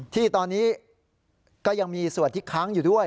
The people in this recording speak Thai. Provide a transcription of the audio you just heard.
ที่ตอนนี้ก็ยังมีส่วนที่ค้างอยู่ด้วย